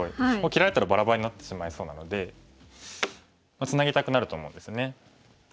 切られたらばらばらになってしまいそうなのでツナぎたくなると思うんですね。